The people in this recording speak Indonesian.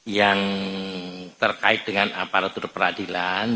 yang terkait dengan aparatur peradilan